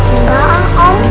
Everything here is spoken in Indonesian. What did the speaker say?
engga ah om